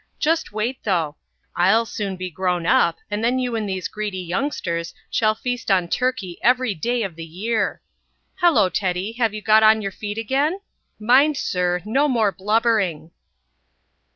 Just wait, though. I'll soon be grown up, and then you and these greedy youngsters shall feast on turkey every day of the year. Hello, Teddy, have you got on your feet again? Mind, sir, no more blubbering!"